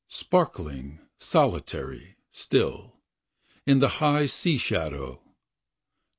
Sparkling, solitary, still. In the high sea shadow.